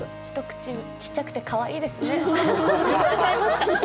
一口がちっちゃくてかわいいですね。